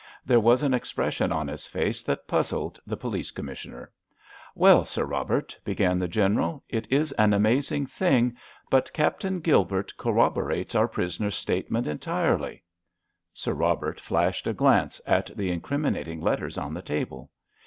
There was an expression on his face that puzzled the Police Commissioner. "Well, Sir Robert," began the General, "it is an amazing thing, but Captain Gilbert corroborates our prisoner's statements entirely." Sir Robert flashed a glance at the incriminating letters on the table.